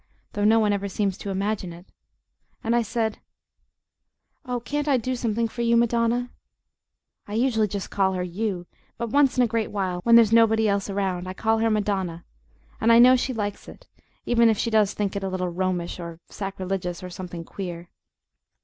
though no one ever seems to imagine it, and I said: "Oh, can't I do something for you, Madonna?" I usually just call her "you," but once in a great while, when there's nobody else around, I call her Madonna, and I know she likes it, even if she does think it a little Romish or sacrilegious or something queer.